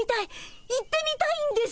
行ってみたいんです！